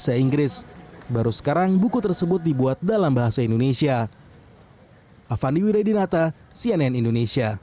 dan tidak akan terjadi di negara lain